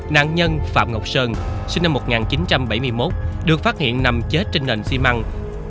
nạn nhân phạm ngọc sơn sinh năm một nghìn chín trăm bảy mươi một được phát hiện nằm chết trên nền xi măng